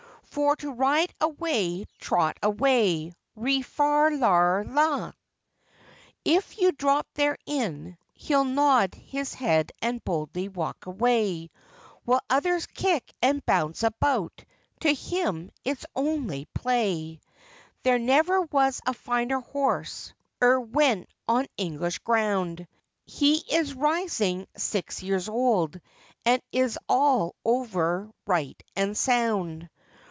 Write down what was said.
For to ride away, &c. If you drop therein, he'll nod his head, and boldly walk away, While others kick and bounce about, to him it's only play; There never was a finer horse e'er went on English ground, He is rising six years old, and is all over right and sound.